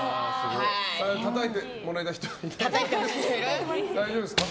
たたいてもらいたい人いますか？